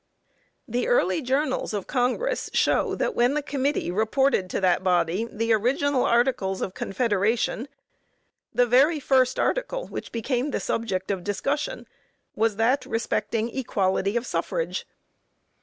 The early journals of Congress show that when the committee reported to that body the original articles of confederation, the very first article which became the subject of discussion was that respecting equality of suffrage.